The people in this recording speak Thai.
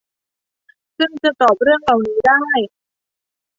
ซึ่งจะตอบเรื่องเหล่านี้ได้